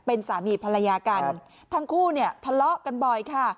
เป็นสามีภรรยากันทั้งคู่เนี่ยทะเลาะกันบ่อยค่ะ